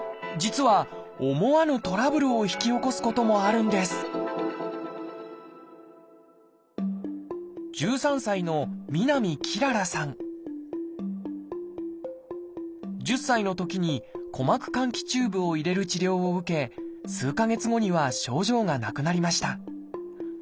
実は思わぬトラブルを引き起こすこともあるんです１０歳のときに鼓膜換気チューブを入れる治療を受け数か月後には症状がなくなりました。